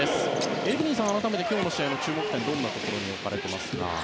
エブリンさん、改めて今日の試合の注目点はどこに置かれていますか。